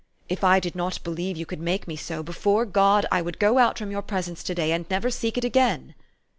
If I did not believe you could make me so, before God, I would go out from your presence to day, and never seek it again."